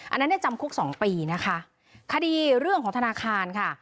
อันนั้นเนี่ยจำคุกสองปีนะคะคดีเรื่องของธนาคารค่ะ